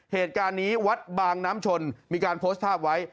เหตุการณ์นี้วัดบางน้ำชนมีการโพสต์ภาพไว้